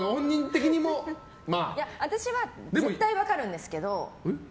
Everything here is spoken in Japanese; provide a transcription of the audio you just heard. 私は絶対分かるんですけど。